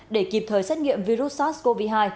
để kịp thời xét nghiệm virus sars cov hai